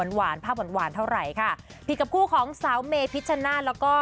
หวานภาพหวานเท่าไหร่ค่ะผิดกับคู่ของสาวเมย์พิษชนะแล้วก็